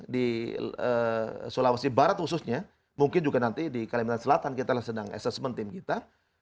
di sulawesi barat khususnya mungkin juga nanti di kalimantan selatan kita sedang assessment tim kita